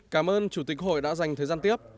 cảm ơn chủ tịch hội đã dành thời gian tiếp